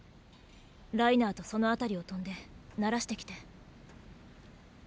ライナーとその辺りを飛んで慣らしてきて。